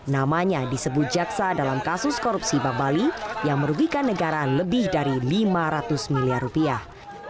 namanya disebut jaksa dalam kasus korupsi bank bali yang merugikan negara lebih dari lima ratus miliar rupiah